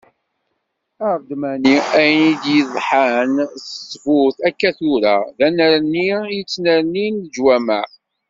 Aredmani, ayen i d-yeḍḥan d ttbut akka tura, d annerni i ttnernin leǧwamaɛ.